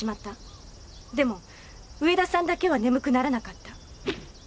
でも上田さんだけは眠くならなかった。